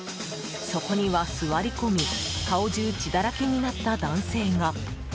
そこには座り込み顔中、血だらけになった男性が。